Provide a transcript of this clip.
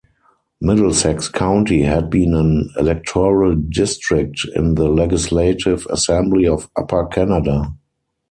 Middlesex County had been an electoral district in the Legislative Assembly of Upper Canada.